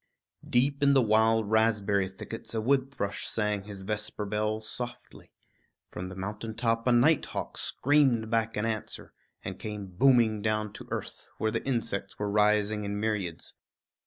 Deep in the wild raspberry thickets a wood thrush rang his vesper bell softly; from the mountain top a night hawk screamed back an answer, and came booming down to earth, where the insects were rising in myriads.